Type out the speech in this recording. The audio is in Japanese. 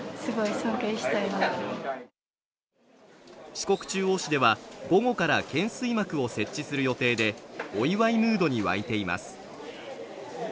四国中央市では午後から懸垂幕を設置する予定でお祝いムードに沸いています